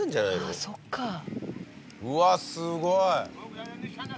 うわっすごい。